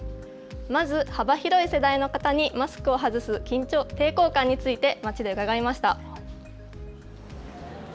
まず幅広い世代の方にマスクを外す抵抗感について街で伺いました。